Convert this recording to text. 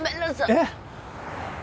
えっ？